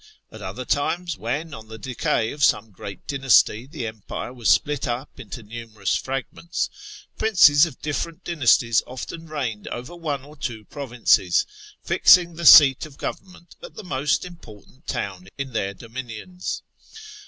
At other times, when, on the decay of some great dynasty, the empire was split up into numerous fragments, princes of different dynasties often reigned over one or two provinces, fixing the seat of government at the most important town in their dominions.